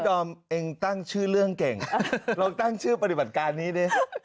ดอมเองตั้งชื่อเรื่องเก่งลองตั้งชื่อปฏิบัติการนี้ดิ